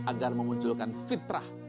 agar memunculkan fitrah